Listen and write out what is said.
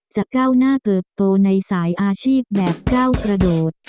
ก้าวหน้าเติบโตในสายอาชีพแบบก้าวกระโดด